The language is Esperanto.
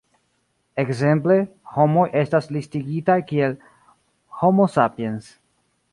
Ekzemple, homoj estas listigitaj kiel "Homo sapiens".